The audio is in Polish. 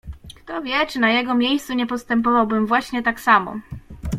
"Kto wie, czy na jego miejscu nie postępowałbym właśnie tak samo."